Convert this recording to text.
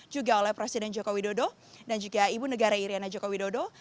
juga oleh presiden joko widodo dan juga ibu negara iryana joko widodo